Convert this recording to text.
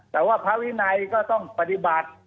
แต่ว่าพระวินัยก็ต้องปฏิบัติ